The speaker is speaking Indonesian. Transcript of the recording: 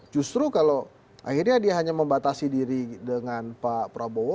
justru kalau akhirnya dia hanya membatasi diri dengan pak prabowo